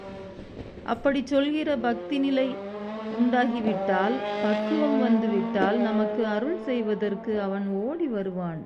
அப்படிச் சொல்கிற பக்திநிலை உண்டாகிவிட்டால், பக்குவம் வந்துவிட்டால், நமக்கு அருள் செய்வதற்கு அவன் ஓடி வருவான்.